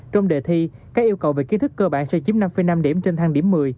trong đề thi các yêu cầu về kiến thức cơ bản sẽ chiếm năm năm điểm trên thang điểm một mươi